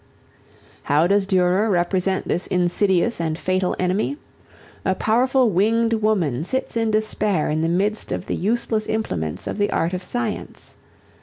How does Durer represent this insidious and fatal enemy? A powerful winged woman sits in despair in the midst of the useless implements of the art of Science.